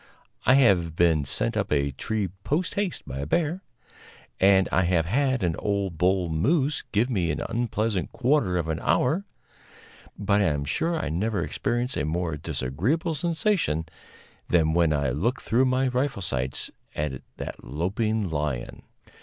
I have been sent up a tree post haste by a bear, and I have had an old bull moose give me an unpleasant quarter of an hour, but I am sure I never experienced a more disagreeable sensation than when I looked through my rifle sights at that loping lion.